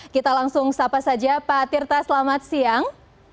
kita langsung sapa saja pak tirta selamat siang